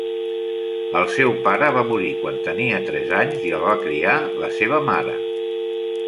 El seu pare va morir quan tenia tres anys i el va criar la seva mare.